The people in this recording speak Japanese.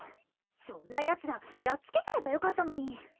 そんな奴らやっつけちゃえばよかったのに。